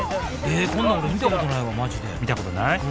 こんなん俺見たことないわマジで見たことない？